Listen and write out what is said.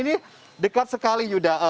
ini dekat sekali yuda